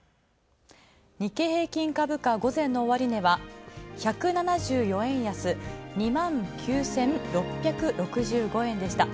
日経平均株価、午前の終値は１７４円安、２万９６６５円でした。